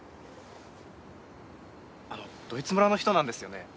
あのドイツ村の人なんですよね？